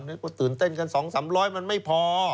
นึกว่าตื่นเต้นกัน๒๓๐๐มันไม่พอ